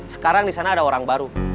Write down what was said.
sekarang disana ada orang baru